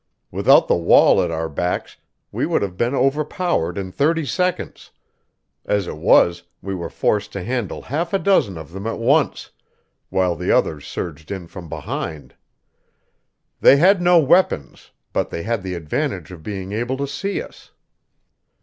Without the wall at our backs we would have been overpowered in thirty seconds; as it was, we were forced to handle half a dozen of them at once, while the others surged in from behind. They had no weapons, but they had the advantage of being able to see us.